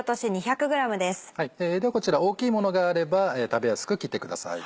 こちら大きいものであれば食べやすく切ってください。